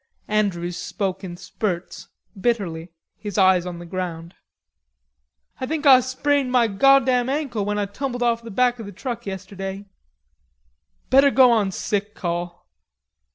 Andrews spoke in spurts, bitterly, his eyes on the ground. "Ah think Ah sprained ma goddam ankle when Ah tumbled off the back o' the truck yesterday." "Better go on sick call....